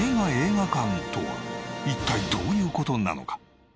一体どういう事なのか？